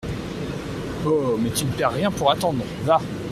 Oh ! mais tu ne perds rien pour attendre, va !…